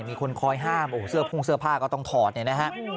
มีคนคอยห้ามโอ้โหเสื้อพุ่งเสื้อผ้าก็ต้องถอดเนี่ยนะฮะ